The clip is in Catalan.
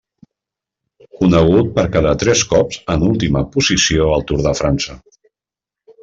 Conegut per quedar tres cops en última posició al Tour de França.